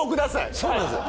そうなんですよ。